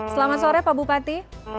selamat sore pak bupati